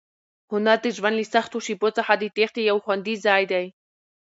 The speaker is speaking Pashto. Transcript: هنر د ژوند له سختو شېبو څخه د تېښتې یو خوندي ځای دی.